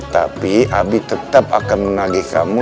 tapi abi tetap akan menagih kamu